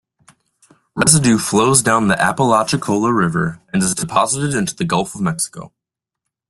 Residue flows down the Apalachicola River and is deposited into the Gulf of Mexico.